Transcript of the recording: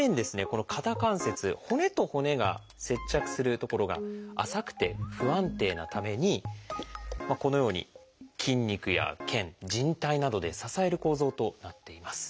この肩関節骨と骨が接着する所が浅くて不安定なためにこのように筋肉や腱じん帯などで支える構造となっています。